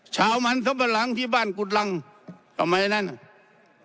ชาวมันทบลังค์ที่บ้านกุฎรังทำไมนั่นน่ะ